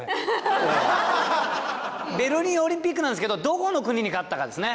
ベルリンオリンピックなんすけどどこの国に勝ったかですね。